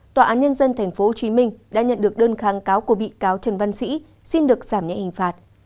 tòa án nhân dân tp hcm đã nhận được đơn kháng cáo của bị cáo trần văn sĩ xin được giảm nhẹ hình phạt